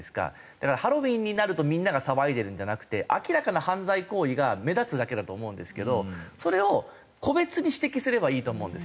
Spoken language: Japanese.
だからハロウィーンになるとみんなが騒いでるんじゃなくて明らかな犯罪行為が目立つだけだと思うんですけどそれを個別に指摘すればいいと思うんですよ。